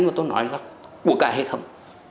mà tôi nói là của cả hệ thống